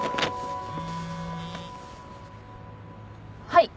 はい。